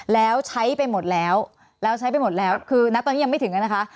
แล้วใช้ไปหมดแล้วคือนักตอนนี้ยังไม่ถึงกันนะคะ